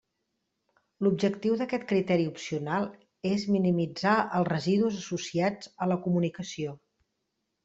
L'objectiu d'aquest criteri opcional és minimitzar els residus associats a la comunicació.